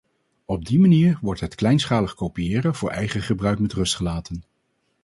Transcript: Op die manier wordt het kleinschalig kopiëren voor eigen gebruik met rust gelaten.